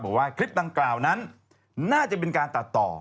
บอกว่าคลิปดังกล่าวนั้นน่าจะเป็นการตัดต่อ